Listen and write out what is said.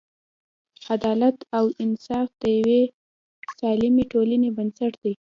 عدالت او انصاف د یوې سالمې ټولنې بنسټ دی.